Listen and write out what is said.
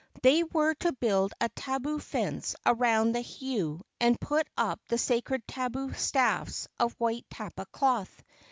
They were to build a tabu fence around the heiau and put up the sacred tabu staffs of white tapa cloth.